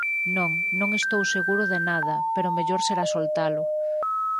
_Non, non estou seguro de nada, pero mellor será soltalo.